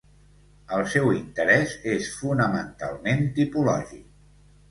El seu interès és fonamentalment tipològic.